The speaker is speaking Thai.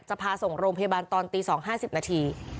จะพาส่งโรงพยาบาลตอนตี๒ห้าสิบนาที